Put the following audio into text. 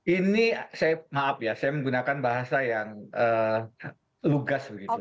ini saya maaf ya saya menggunakan bahasa yang lugas begitu